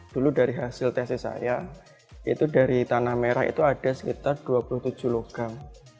dulu dari hasil tesnya saya itu dari tanah merah itu ada sekitar dua puluh tujuh logam